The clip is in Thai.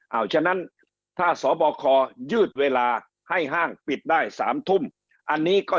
เอาฉะนั้นถ้าสบคยืดเวลาให้ห้างปิดได้๓ทุ่มอันนี้ก็